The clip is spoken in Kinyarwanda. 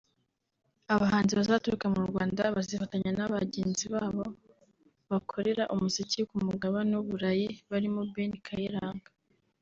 Abahanzi bazaturuka mu Rwanda bazifatanya na bagenzi babo bakorera umuziki ku Mugabane w’u Burayi barimo Ben Kayiranga